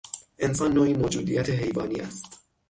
انسان نوعی موجودیت حیوانی است.